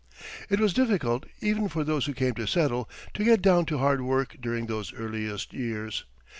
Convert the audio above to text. It was difficult, even for those who came to settle, to get down to hard work during those earliest years.